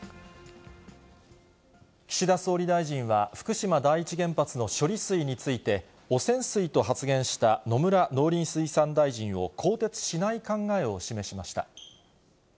岸田総理大臣は、福島第一原発の処理水について、汚染水と発言した野村農林水産大臣を更迭しない考えを示しました。